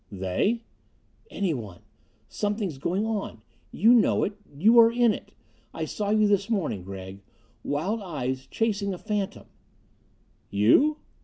"They?" "Anyone. Something's going on. You know it you are in it. I saw you this morning, Gregg. Wild eyed, chasing a phantom " "You?"